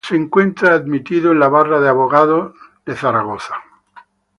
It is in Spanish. Se encuentra admitido en la barra de abogados de New York.